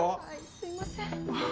すいません。